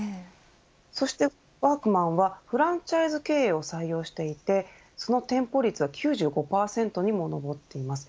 そしてワークマンはフランチャイズ経営を採用していてその店舗率は９５％にも上っています。